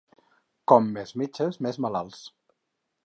Com més metges, més malalts.